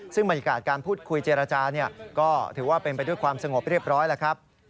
ซึ่งบรรยากาศการพูดคุยเจรจาก็ถือว่าเป็นไปด้วยความสงบเรียบร้อยแล้วครับ